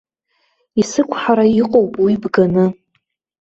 Исықәҳара иҟоуп уи бганы!